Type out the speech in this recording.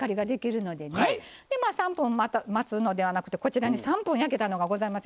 でまあ３分待つのではなくてこちらに３分焼けたのがございます。